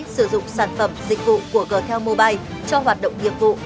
sử dụng sản phẩm dịch vụ của g tel mobile cho hoạt động nghiệp vụ